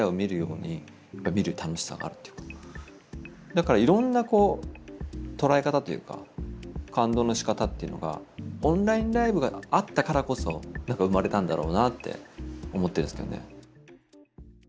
だからいろんな捉え方というか感動のしかたっていうのがオンラインライブがあったからこそ生まれたんだろうなって思ってるんですけどね。